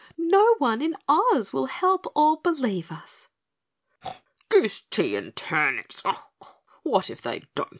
No one in Oz will help or believe us." "Goose tea and turnips! What if they don't!"